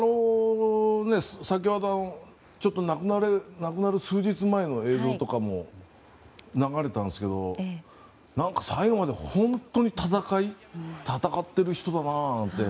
先ほど亡くなる数日前の映像とかも流れたんですけど最後まで本当に戦ってる人だなって。